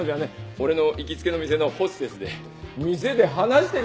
俺の行きつけの店のホステスで店で話してるうちになぁ？